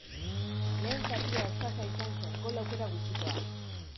Lehen zatia eskasa izan zen, gol aukera gutxikoa.